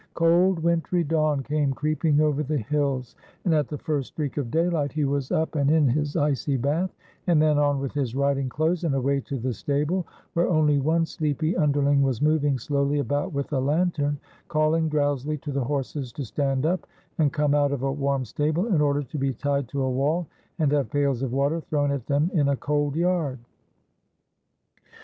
Cold wintry dawn came creeping over the hills, and at the first streak of daylight he was up and in his icy bath, and then on with his riding clothes and away to the stable, where only one sleepy underling was moving slowly about with a lantern, calling drowsily to the horses to stand up and come out of a warm stable, in order to be tied to a wall and have pails of water thrown at them in a cold yard.